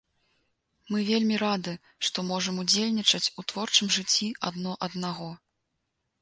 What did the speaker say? Мы вельмі рады, што можам удзельнічаць у творчым жыцці адно аднаго.